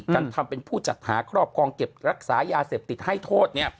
การทำเป็นผู้จัดหาครอบครองเก็บรักษายาเสพติดให้โทษ